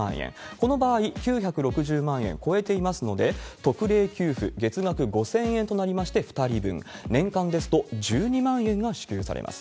この場合、９６０万円超えていますので、特例給付月額５０００円となりまして２人分、年間ですと１２万円が支給されます。